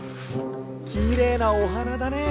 きれいなおはなだね。